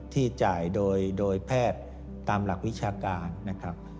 ที่จ่ายโดยแพทย์ตามหลักวิชาการนะครับ